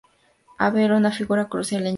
Abbe era una figura crucial en Jena.